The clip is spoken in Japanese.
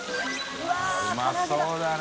うまそうだね。